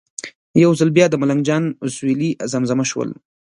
یو ځل بیا د ملنګ جان اسویلي زمزمه شول.